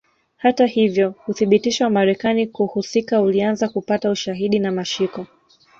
Hata hivyo uthibitisho wa Marekani kuhusika ulianza kupata ushahidi na mashiko